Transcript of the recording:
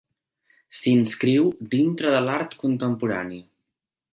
S'inscriu dintre de l'art contemporani.